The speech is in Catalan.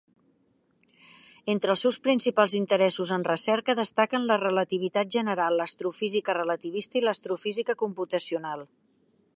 Entre els seus principals interessos en recerca, destaquen la relativitat general, l'astrofísica relativista i l'astrofísica computacional.